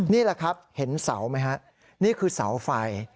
นี่แหละครับเห็นเสาไหมฮะนี่คือเสาไฟ